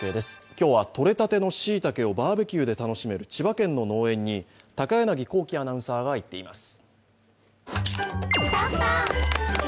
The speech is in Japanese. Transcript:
今日はとれたてのしいたけをバーベキューで楽しめる千葉県の農園に高柳光希アナウンサーが行っています。